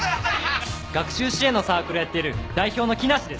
学習支援のサークルをやっている代表の木梨です。